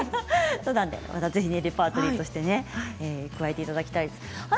ぜひレパートリーとして加えていただきたいです。